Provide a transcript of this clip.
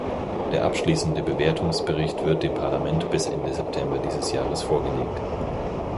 Der abschließende Bewertungsbericht wird dem Parlament bis Ende September dieses Jahres vorgelegt.